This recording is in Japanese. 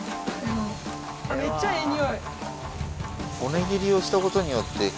めっちゃええ匂い。